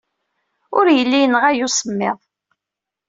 Ur yelli yenɣa-iyi usemmiḍ.